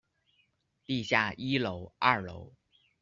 地下一楼二楼